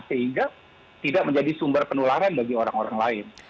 sehingga tidak menjadi sumber penularan bagi orang orang lain